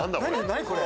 何これ。